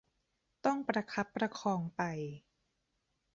ต้องประคับประคองไป